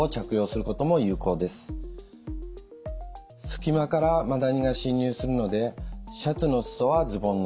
隙間からマダニが侵入するのでシャツのすそはズボンの中に。